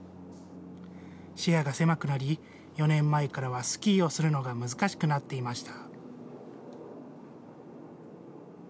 視野が狭くなり、４年前からはスキーをするのが難しくなっていました。